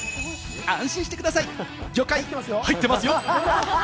安心してください！魚介、入ってますよ！